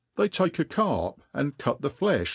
They take a carp, find cut the flelb.